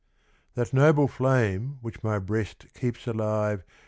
That noble flame, which my Ijreast keeps alive.